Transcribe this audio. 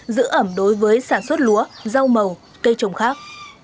giữ ẩm đối với sản xuất lúa rau màu cây trồng khác